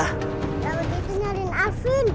gak begitu nyarin alvin